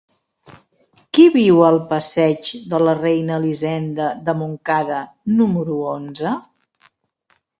Qui viu al passeig de la Reina Elisenda de Montcada número onze?